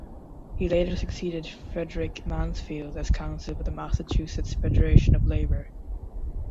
He later succeeded Frederick Mansfield as counsel for the Massachusetts Federation of Labor.